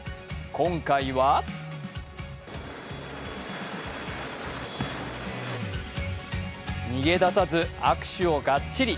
今回は、逃げ出さず握手をがっちり。